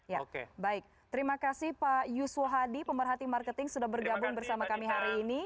ya baik terima kasih pak yusu hadi pemerhati marketing sudah bergabung bersama kami hari ini